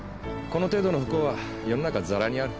この程度の不幸は世の中にザラにある。